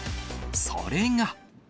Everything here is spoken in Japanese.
それが。